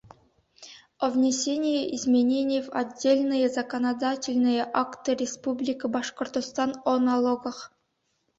О внесении изменений в отдельные законодательные акты Республики Башкортостан о налогах